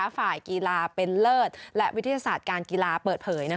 ฝ่ายกีฬาเป็นเลิศและวิทยาศาสตร์การกีฬาเปิดเผย